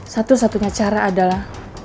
satu satunya cara adalah